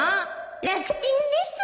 楽ちんです